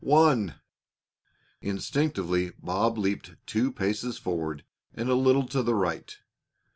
One!" Instinctively Bob leaped two paces forward and a little to the right.